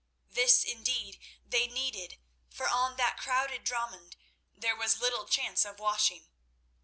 This, indeed, they needed, for on that crowded dromon there was little chance of washing.